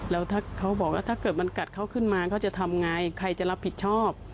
แล้วถ้าเขาบอกว่าถ้าเกิดมันกัดเขาขึ้นมาเขาจะทำไงใครจะรับผิดชอบ